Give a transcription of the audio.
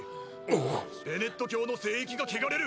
ベネット教の聖域が汚れる！！